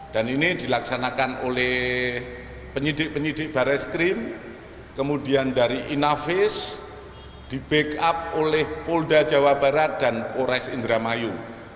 dan ini dilaksanakan oleh penyidik penyidik barai skrim kemudian dari inavis di backup oleh polda jawa barat dan polres indramayu